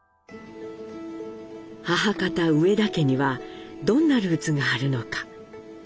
母方・植田家にはどんなルーツがあるのか？